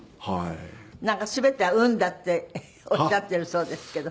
なんか全ては運だっておっしゃっているそうですけど。